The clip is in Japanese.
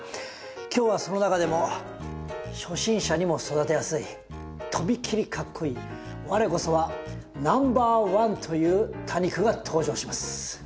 今日はその中でも初心者にも育てやすいとびっきりかっこイイ我こそはナンバーワンという多肉が登場します。